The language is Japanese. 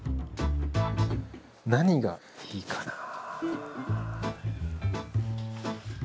何がいいかなあ。